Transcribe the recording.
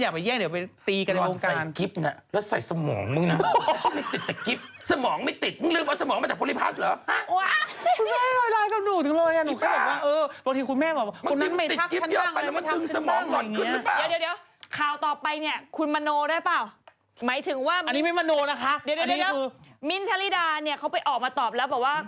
เดี๋ยวมิ้นท์ชะลีดาเนี่ยเขาไปออกมาตอบแล้วบอกว่า